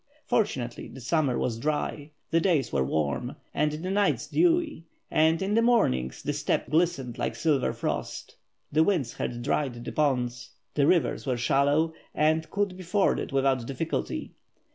Fortunately the summer was dry, the days were warm, and the nights dewy, and in the morning the steppes glistened like silver frost. The winds had dried the ponds; the rivers were shallow, and could be forded without diffi culty.